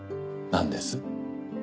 何です？